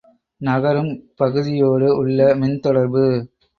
நகரும் பகுதியோடு உள்ள மின்தொடர்பு.